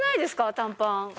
短パン。